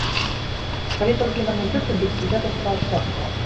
А калі толькі на музыку, дык гэта сто адсоткаў.